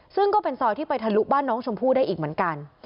ซึ่งก็เป็นซอยที่ไปทะลุบ้านน้องชมพู่ได้อีกเหมือนกัน